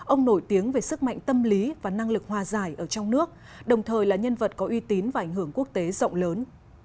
ông nổi tiếng về sức mạnh tâm lý và năng lực hòa giải ở trong nước đồng thời là nhân vật có uy tín và ảnh hưởng quốc tế rộng lớn